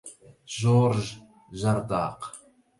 جورج جرداق